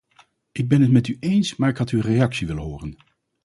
Ik ben het met u eens maar ik had uw reactie willen horen.